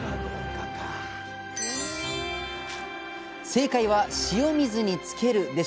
正解は「塩水につける」でした。